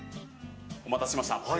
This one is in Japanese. お待たせしました。